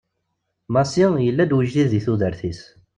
Massi yella-d ujdid deg tudert-is.